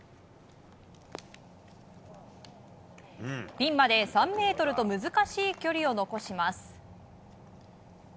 ピンまで３ｍと難しい距離を残します。